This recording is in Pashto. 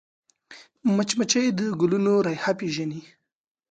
مچمچۍ د ګلونو رایحه پېژني